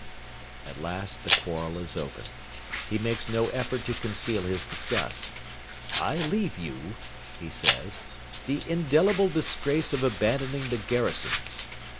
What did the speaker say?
At last the quarrel is open. He makes no effort to conceal his disgust. 'I leave you,' he says, the 'indelible disgrace of abandoning the garrisons.'